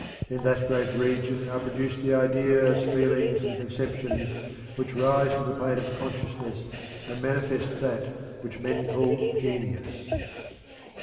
In that great region are produced the ideas, feelings, and conceptions which arise to the plane of consciousness and manifest that which men call "genius."